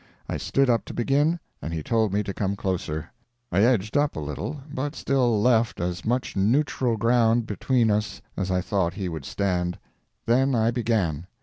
I stood up to begin, and he told me to come closer. I edged up a little, but still left as much neutral ground between us as I thought he would stand. Then I began.